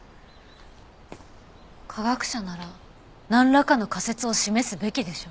科学者ならなんらかの仮説を示すべきでしょ。